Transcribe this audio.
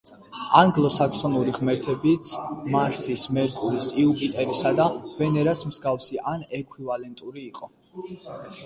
ანგლო-საქსონური ღმერთებიც მარსის, მერკურის, იუპიტერის და ვენერას მსგავსი ან ექვივალენტური იყო.